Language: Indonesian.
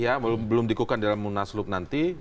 ya belum dikukan dalam munaslup nanti